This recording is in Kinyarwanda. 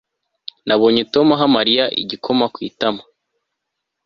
Nabonye Tom aha Mariya igikoma ku itama